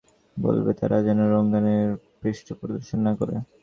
তবে স্বীয় গোত্রকে জোর দিয়ে বলবে, তারা যেন রণাঙ্গনে পৃষ্ঠপ্রদর্শন না করে।